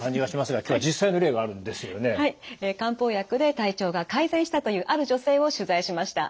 漢方薬で体調が改善したというある女性を取材しました。